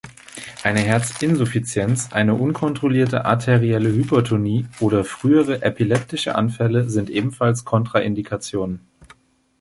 Eine Herzinsuffizienz, eine unkontrollierte arterielle Hypertonie oder frühere epileptische Anfälle sind ebenfalls Kontraindikationen.